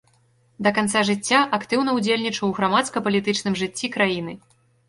Да канца жыцця актыўна ўдзельнічаў у грамадска-палітычным жыцці краіны.